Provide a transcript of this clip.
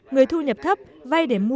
người thu nhập thấp vay để mua và thuê nhà ở